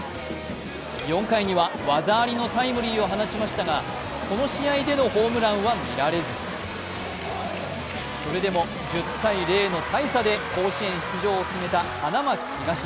４回には技ありのタイムリーを放ちましたがこの試合でのホームランは見られずそれでも１０−０の大差で甲子園出場を決めた花巻東。